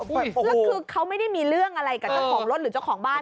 แล้วคือเขาไม่ได้มีเรื่องอะไรกับเจ้าของรถหรือเจ้าของบ้าน